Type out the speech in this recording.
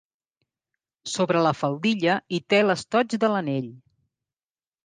Sobre la faldilla hi té l'estoig de l'anell.